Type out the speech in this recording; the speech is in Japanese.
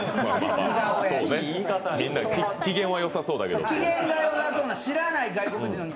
みんな機嫌がよさそうだけど。